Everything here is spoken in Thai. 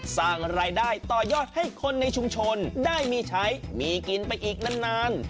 สร้างรายได้ต่อยอดให้คนในชุมชนได้มีใช้มีกินไปอีกนาน